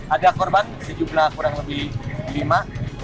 ada korban sejumlah kurang lebih lima